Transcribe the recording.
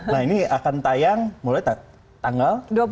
nah ini akan tayang mulai tanggal